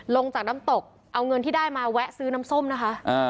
ลงจากน้ำตกเอาเงินที่ได้มาแวะซื้อน้ำส้มนะคะ